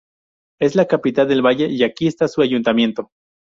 Es la capital del valle y aquí está su ayuntamiento.